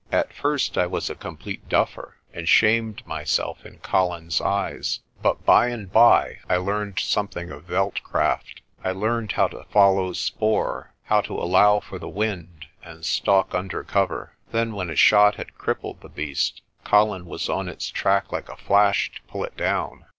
At first I was a com plete duffer, and shamed myself in Colin's eyes. But by 50 PRESTER JOHN and by I learned something of veld craft: I learned how to follow spoor, how to allow for the wind, and stalk under cover. Then, when a shot had crippled the beast, Colin was on its track like a flash to pull it down.